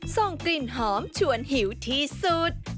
ส่งกลิ่นหอมชวนหิวที่สุด